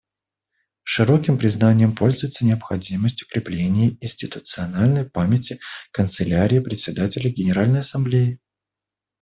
Широким признанием пользуется необходимость укрепления институциональной памяти Канцелярии Председателя Генеральной Ассамблеи.